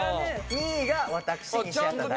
２位が私西畑大吾。